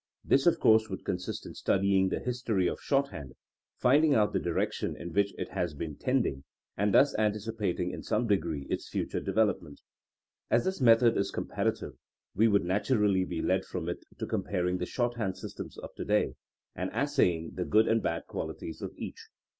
This, of course, would consist in studying the history of shorthand, finding out the direction in which it has been tending, and thus anticipating in some degree its future de velopment. As this method is comparative we would naturally be led from it to comparing the THINKINO AS A SCIENCE 43 shorthand systems of to day, and assaying the good and bad qualities of each.